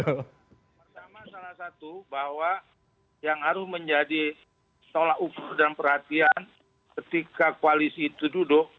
pertama salah satu bahwa yang harus menjadi tolak ukur dan perhatian ketika koalisi itu duduk